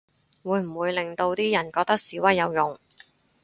會唔會令到啲人覺得示威有用